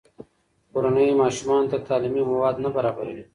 کورنۍ ماشومانو ته تعلیمي مواد نه برابروي.